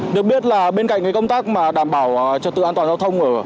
được biết là bên cạnh công tác mà đảm bảo trật tự an toàn giao thông